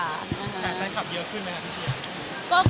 แฟนคลับเยอะขึ้นไหมล่ะที่เชียร์